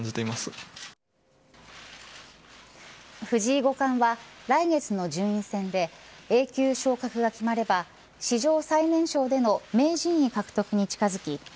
藤井五冠は来月の順位戦でＡ級昇格が決まれば史上最年少での名人位獲得に近づき